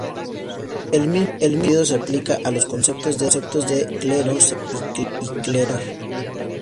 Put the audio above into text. El mismo sentido se aplica a los conceptos de clero secular y clero regular.